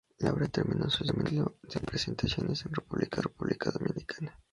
La obra terminó su ciclo de presentaciones en República Dominicana.